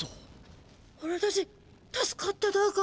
おらたち助かっただか？